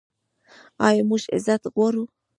آیا موږ عزت غواړو؟